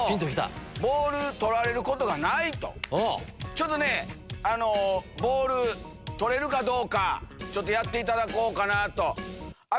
ちょっとボール取れるかどうかやっていただこうかなと。